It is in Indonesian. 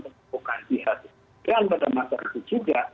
dan pada masa itu juga